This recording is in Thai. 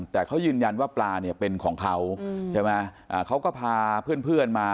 แต่เขายืนยันว่าปลาเนี่ยเป็นของเขาใช่ไหมเขาก็พาเพื่อนมา